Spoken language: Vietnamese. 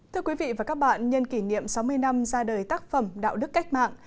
thưa quý vị và các bạn nhân kỷ niệm sáu mươi năm ra đời tác phẩm đạo đức cách mạng